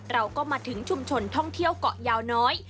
เราก็มาถึงชุมชนท่องเที่ยวเกาะยาวน้อย